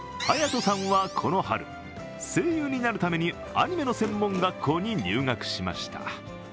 斗さんは、この春声優になるためにアニメの専門学校に入学しました。